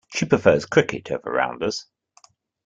She prefers cricket over rounders.